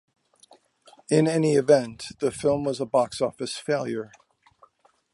In any event, the film was a box office failure.